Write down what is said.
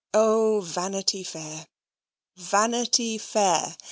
O Vanity Fair Vanity Fair!